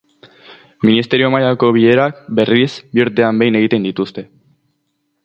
Ministerio mailako bilerak, berriz, bi urtean behin egiten dituzte.